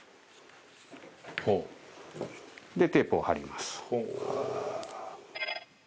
でテープを貼ります。